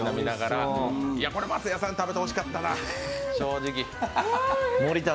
これは松也さん食べてほしかったな、正直。